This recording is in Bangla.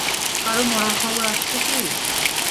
কারো মরার খবর আসছে কী?